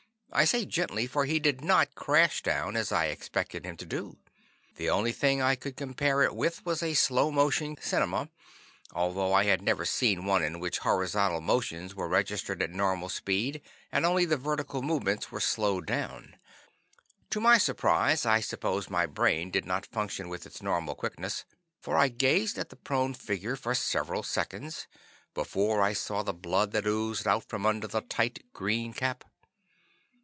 I say "gently" for he did not crash down as I expected him to do. The only thing I could compare it with was a slow motion cinema, although I had never seen one in which horizontal motions were registered at normal speed and only the vertical movements were slowed down. Due to my surprise, I suppose my brain did not function with its normal quickness, for I gazed at the prone figure for several seconds before I saw the blood that oozed out from under the tight green cap.